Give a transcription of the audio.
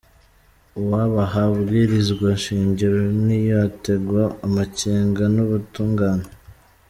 Uwubaha ibwirizwa shingiro ntiyotegwa amakenga n'ubutungane.